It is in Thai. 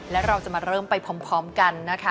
และเราจะมาเริ่มไปพร้อมกันนะคะ